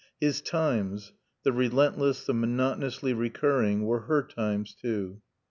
His times, the relentless, the monotonously recurring, were her times too.